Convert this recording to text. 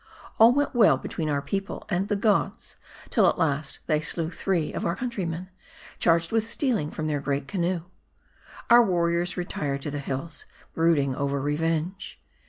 All went well between our people and the gods, till at last they slew three of our cpuntrymen, charged with stealing from their great canoe. Our warriors retired to the hills, brooding over revenge.